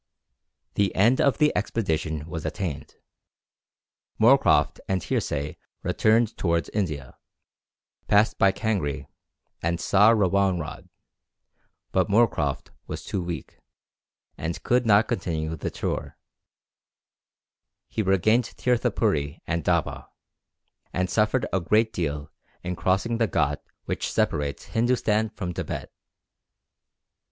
The end of the expedition was attained. Moorcroft and Hearsay returned towards India, passed by Kangri, and saw Rawan rhad; but Moorcroft was too weak, and could not continue the tour; he regained Tirthapuri and Daba, and suffered a great deal in crossing the ghat which separates Hindustan from Thibet.